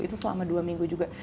itu selama dua minggu juga